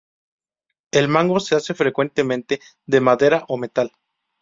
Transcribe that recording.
El mango se hace frecuentemente de madera o metal.